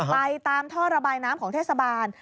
ไปตามท่อระบายน้ำของเทศบาล